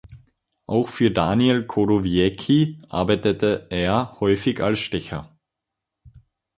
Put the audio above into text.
Auch für Daniel Chodowiecki arbeitete er häufig als Stecher.